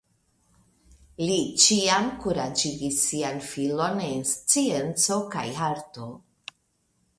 Li ĉiam kuraĝigis sian filon en scienco kaj arto.